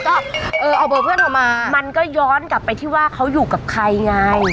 ก็เออเอาเบอร์เพื่อนออกมามันก็ย้อนกลับไปที่ว่าเขาอยู่กับใครไง